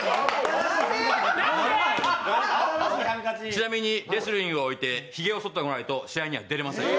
ちなみにレスリングでひげをそってこないと試合に出られません。